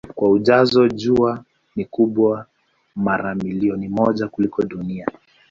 Kwa ujazo Jua ni kubwa mara milioni moja kuliko Dunia.